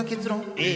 ええ。